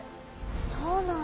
そうなんだ。